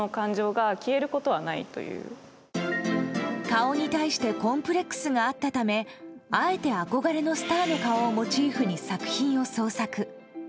顔に対してコンプレックスがあったためあえて憧れのスターの顔をモチーフに作品を創作。